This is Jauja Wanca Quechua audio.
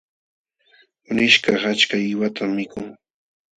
Kunishkaq achka qiwatam mikun.